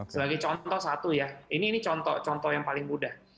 sebagai contoh satu ya ini contoh contoh yang paling mudah